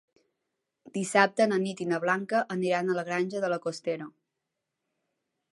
Dissabte na Nit i na Blanca aniran a la Granja de la Costera.